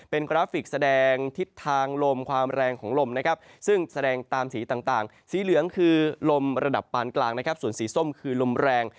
เป็นกราฟิกแสดงทิศทางลมความแรงของลมนะครับซึ่งแสดงตามสีต่างสีเหลืองคือลมระดับปานกลางนะครับส่วนสีส้มคือลมแรง